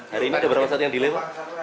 hari ini ada berapa pesawat yang dilewat